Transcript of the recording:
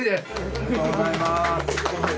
おめでとうございます。